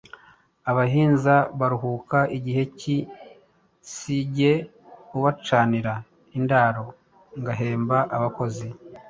abahinzi baruhuka gihe ki? Si ge ubacanira indaro ngahemba abakozi